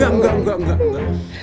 enggak enggak enggak